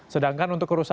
sedangkan untuk kerusakan